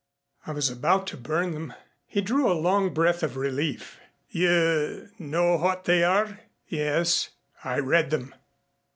"I was about to burn them." He drew a long breath of relief. "You know what they are?" "Yes. I read them."